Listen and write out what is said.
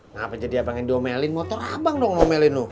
ngapain jadi abang yang diomelin motor abang dong ngomelin lu